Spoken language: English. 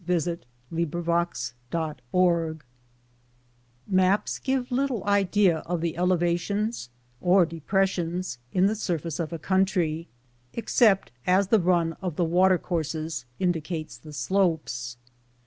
IV UPHILL IN FOG Maps give little idea of the elevations or depres sions in the surface of a country, except as the run of the watercourses indicates the slopes.